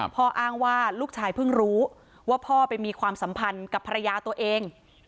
อ้างว่าลูกชายเพิ่งรู้ว่าพ่อไปมีความสัมพันธ์กับภรรยาตัวเอง